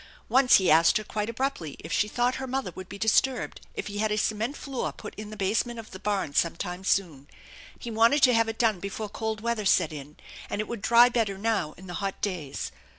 Once he asked her quite abruptly if she thought her mother would be disturbed if he had a cement floor put in the basement of the barn some time soon. He wanted to have it done before cold weather set in, and it would dry better now in the hot days.